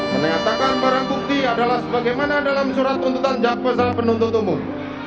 menetapkan barang bukti adalah sebagaimana dalam surat tuntutan jawaban salah penuntut umum